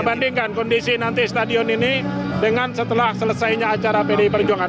bandingkan kondisi nanti stadion ini dengan setelah selesainya acara pdi perjuangan